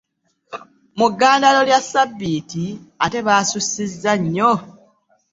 Mu ggandaalo lya ssabbiiti ate baasussizza nnyo.